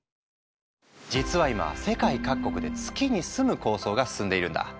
実は今世界各国で月に住む構想が進んでいるんだ。